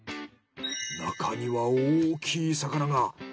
中には大きい魚が。